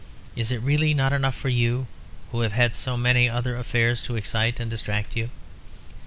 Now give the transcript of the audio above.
Is it really not enough for you, who have had so many other affairs to excite and distract you?